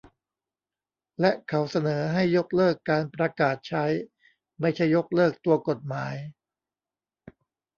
และเขาเสนอให้ยกเลิกการประกาศใช้ ไม่ใช่ยกเลิกตัวกฎหมาย